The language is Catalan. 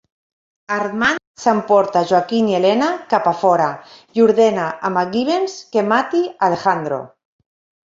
Armand s'emporta Joaquin i Elena cap a fora i ordena a McGivens que mati Alejandro.